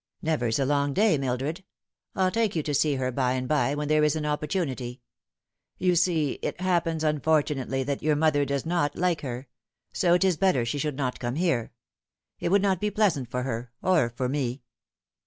" Never's a long day, Mildred. I'll take you to see her by and by when there is an opportunity. You see, it happens unfortunately that your mother does not like her, so it is better she should not come here. It would not be pleasant for her > or for me."